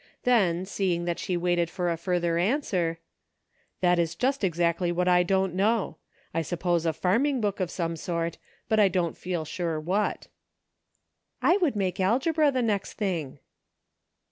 Then, seeing that she waited for a further answer : "That is just exactly what I don't know. I sup pose a farming book of some sort ; but I don't feel sure what." " I would make algebra the next thing."